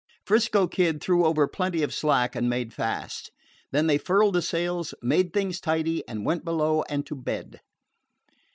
'Frisco Kid threw over plenty of slack and made fast. Then they furled the sails, made things tidy, and went below and to bed.